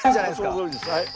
そのとおりですはい。